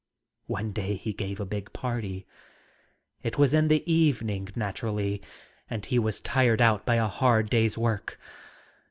One day he gave a big party. ... It was in the evening, naturally, and he was tired out by a hard day's work.